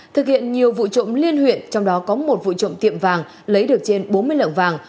thực hiện nhiều vụ trộm liên huyện trong đó có một vụ trộm tiệm vàng lấy được trên bốn mươi lượng vàng